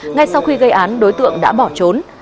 ngay sau khi gây án đối tượng đã bỏ trốn